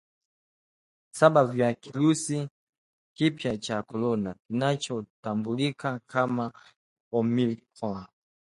saba vya kirusi kipya cha Corona kinachotambulika kama Omicron